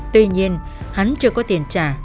tuy nhiên hắn chưa có tiền trả